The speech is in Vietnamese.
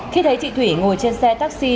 khi thấy chị thủy ngồi trên xe taxi